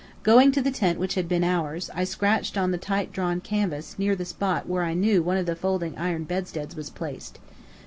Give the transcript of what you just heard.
Going to the tent which had been ours, I scratched on the tight drawn canvas near the spot where I knew one of the folding iron bedsteads was placed.